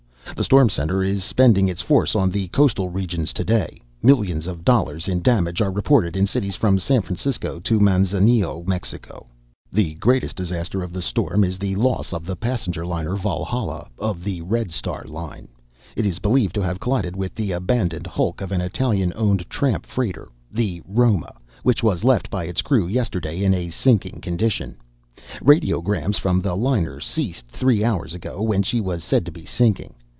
The storm center is spending its force on the coastal regions to day. Millions of dollars in damage are reported in cities from San Francisco to Manzanillo, Mexico. "The greatest disaster of the storm is the loss of the passenger liner Valhalla, of the Red Star Line. It is believed to have collided with the abandoned hulk of an Italian owned tramp freighter, the Roma, which was left by its crew yesterday in a sinking condition. Radiograms from the liner ceased three hours ago, when she was said to be sinking.